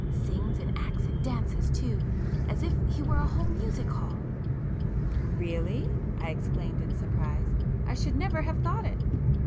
Sings and acts and dances too, as if he were a whole music hall." "Really!" I exclaimed in surprise—"I should never have thought it."